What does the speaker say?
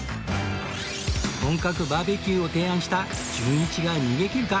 本格バーベキューを提案したじゅんいちが逃げ切るか？